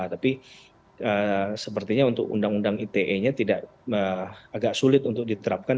tapi sepertinya untuk undang undang ite nya tidak agak sulit untuk diterapkan